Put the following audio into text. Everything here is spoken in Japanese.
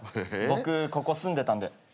僕ここ住んでたんで。